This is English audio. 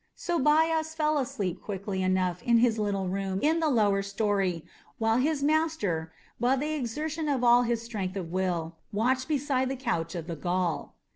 So Bias fell asleep quickly enough in his little room in the lower story, while his master, by the exertion of all his strength of will, watched beside the couch of the Gaul.